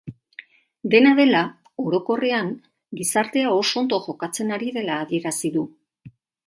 Dena dela, orokorrean gizartea oso ondo jokatzen ari dela adierazi du.